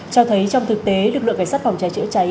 cho thấy trong thực tế lực lượng cảnh sát phòng cháy chữa cháy